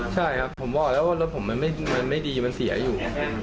ใช่ครับผมว่าแล้วลุยผมไม่ดีเสียอยู่